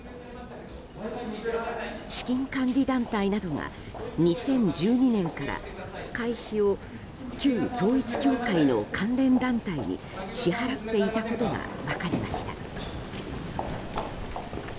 資金管理団体などが２０１２年から会費を旧統一教会の関連団体に支払っていたことが分かりました。